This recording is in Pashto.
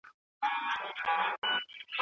صدقه ورکول د زړه ارامي پیدا کوي.